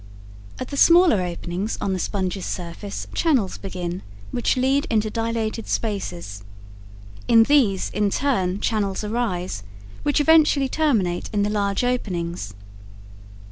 At the smaller openings on the sponge's surface channels begin, which lead into dilated spaces. In these, in turn, channels arise, which eventually terminate in the large openings.